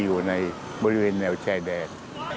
อยู่ในบริเวณแนวชายแดน